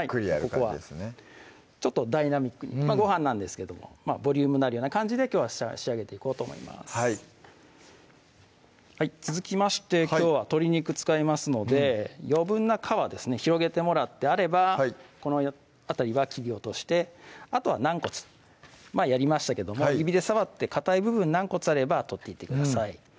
ここはダイナミックにごはんなんですけどもボリュームのあるような感じできょうは仕上げていこうと思います続きましてきょうは鶏肉使いますので余分な皮ですね広げてもらってあればこの辺りは切り落としてあとは軟骨前やりましたけども指で触ってかたい部分軟骨あれば取っていってください